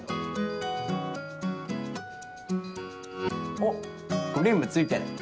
おっクリームついてる。